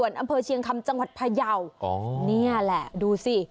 อำเภอเชียงคำจังหวัดพยาวอ๋อนี่แหละดูสิ